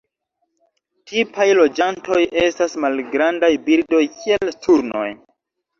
Tipaj loĝantoj estas malgrandaj birdoj kiel sturnoj.